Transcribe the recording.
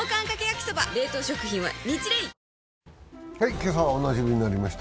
今朝はおなじみになりました